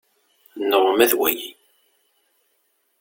Neɣ uma d wayi.